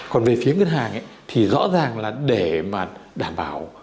còn về phía ngân hàng thì rõ ràng là để mà đảm bảo